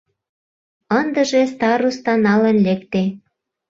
Ындыже староста налын лекте.